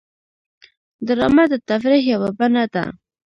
ډرامه د تفریح یوه بڼه ده